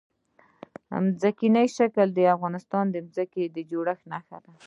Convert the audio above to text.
ځمکنی شکل د افغانستان د ځمکې د جوړښت نښه ده.